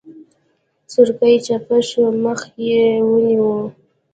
سورکی چپه شو مخ يې ونيو.